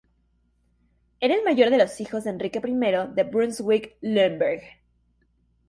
Era el mayor de los hijos de Enrique I de Brunswick-Lüneburg.